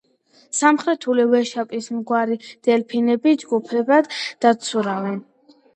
სამხრეთული ვეშაპისმაგვარი დელფინები ჯგუფებად დაცურავენ.